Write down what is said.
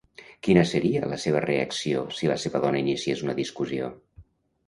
Quina seria la seva reacció si la seva dona iniciés una discussió?